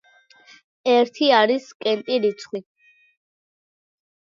ერთი არის კენტი რიცხვი.